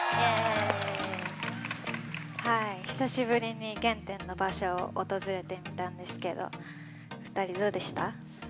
久しぶりに原点の場所を訪れてみたんですけど２人、どうでした？